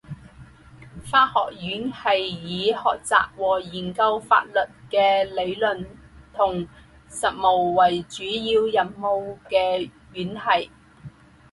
法学院是以学习和研究法律的理论和实务为主要任务的院系。